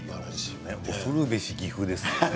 恐るべし岐阜ですね。